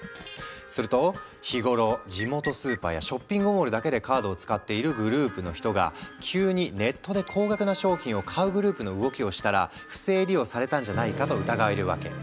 すると日頃地元スーパーやショッピングモールだけでカードを使っているグループの人が急にネットで高額な商品を買うグループの動きをしたら不正利用されたんじゃないかと疑えるわけ。